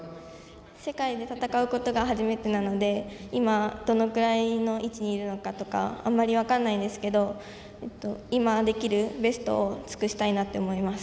世界で戦うことが初めてなので今、どのくらいの位置にいるのかとかあまり分からないんですけど今できるベストを尽くしたいなと思います。